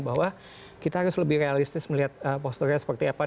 bahwa kita harus lebih realistis melihat posturnya seperti apa